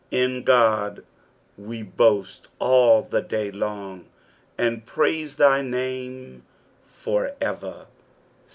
8 In God we boast all the day long, and praise thy name for ever.